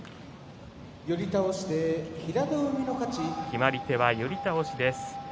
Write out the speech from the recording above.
決まり手は寄り倒しです。